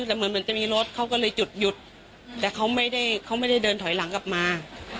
แล้วเหมือนเหมือนจะมีรถเขาก็เลยหยุดหยุดแต่เขาไม่ได้เขาไม่ได้เดินถอยหลังกลับมา